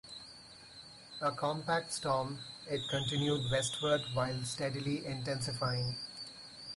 A compact storm, it continued westward while steadily intensifying.